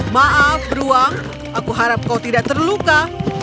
maaf beruang aku harap kau tidak terluka